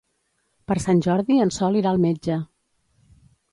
Per Sant Jordi en Sol irà al metge.